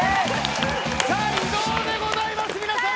さあ移動でございます皆さん。